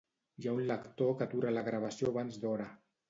Hi ha un lector que atura la gravació abans d'hora